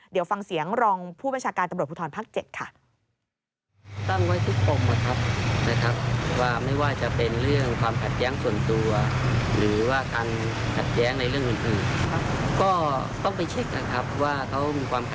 เดี๋ยวฟังเสียงรองผู้บัญชาการตำรวจภูทรภาค๗ค่ะ